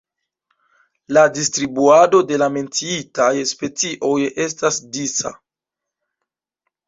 La distribuado de la menciitaj specioj estas disa.